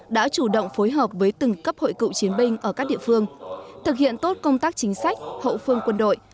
đã chủ động phối hợp với từng cấp hội cựu chiến binh ở các địa phương thực hiện tốt công tác chính sách hậu phương quân đội